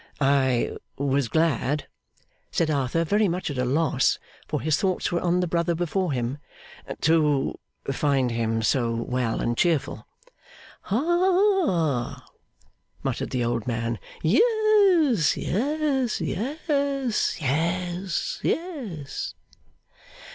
'I was glad,' said Arthur, very much at a loss, for his thoughts were on the brother before him; 'to find him so well and cheerful.' 'Ha!' muttered the old man, 'yes, yes, yes, yes, yes!